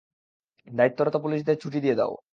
দায়িত্বরত পুলিশদের ছুটি দিয়ে দাও।